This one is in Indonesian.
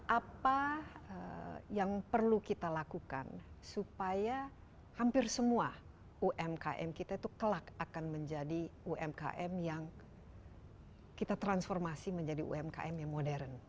apa yang perlu kita lakukan supaya hampir semua umkm kita itu kelak akan menjadi umkm yang kita transformasi menjadi umkm yang modern